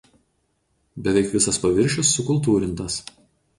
Beveik visas paviršius sukultūrintas.